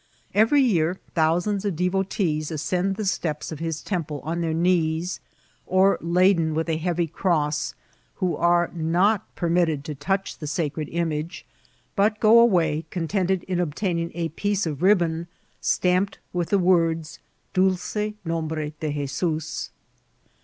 Every year thousands of devotees asoend the steps of his temple on their knees, <nr laden with a heavy oross, who are not permitted to touch the sacred image, but go av^y c<mtented in obtaining a piece of riband stamped with the words ^' Dolce nombare de Je* sus.''